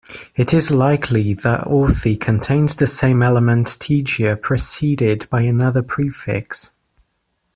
It is likely that Authie contains the same element "tegia" preceded by another prefix.